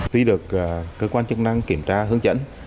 tuy được cơ quan chức năng kiểm tra hướng dẫn